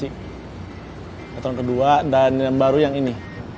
sinetron kedua dan yang baru yang ini